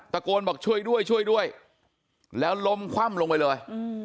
ตะโกนบอกช่วยด้วยช่วยด้วยแล้วล้มคว่ำลงไปเลย